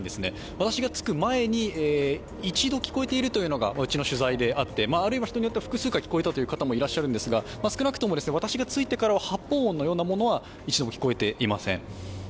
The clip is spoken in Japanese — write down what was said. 私が着く前に一度聞こえているというのがうちの取材であってあるいは人によっては複数回聞こえたという人もいますが、少なくとも私が着いてから発砲音のようなものは一度も聞こえていません